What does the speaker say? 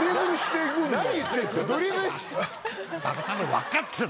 分かってる！